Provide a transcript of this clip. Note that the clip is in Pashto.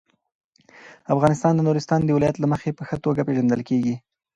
افغانستان د نورستان د ولایت له مخې په ښه توګه پېژندل کېږي.